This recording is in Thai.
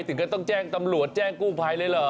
ถึงก็ต้องแจ้งตำรวจแจ้งกู้ภัยเลยเหรอ